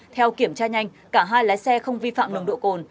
theo kiểm tra nhanh cả hai lái xe không vi phạm nồng độ cồn